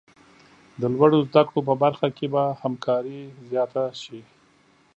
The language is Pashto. د لوړو زده کړو په برخه کې به همکاري زیاته شي.